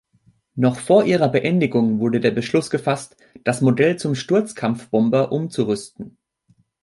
Noch vor ihrer Beendigung wurde der Beschluss gefasst, das Modell zum Sturzkampfbomber umzurüsten.